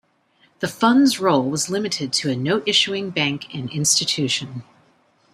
The Fund's role was limited to a note-issuing bank and institution.